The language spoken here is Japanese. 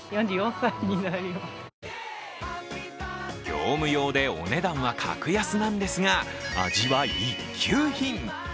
業務用でお値段は格安なんですが味は一級品。